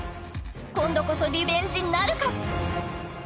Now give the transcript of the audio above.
今度こそリベンジなるか！？